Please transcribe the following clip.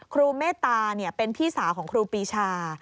เมตตาเป็นพี่สาวของครูปีชา